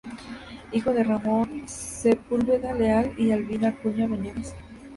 Hijo de Ramón Sepúlveda Leal y Albina Acuña Venegas.